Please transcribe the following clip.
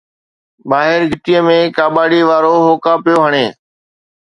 ٻاهر گھٽيءَ ۾ ڪاٻاڙي وارو هوڪا پيو هڻي